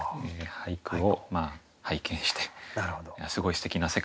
俳句を拝見してすごいすてきな世界だなと。